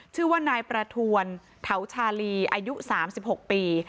ชื่อว่านายประถวนเทาชาลีอายุสามสิบหกปี